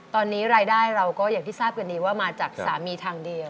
ตอนนี้รายได้เราก็อย่างที่ทราบกันดีว่ามาจากสามีทางเดียว